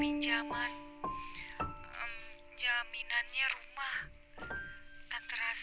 ia kenapa suara suka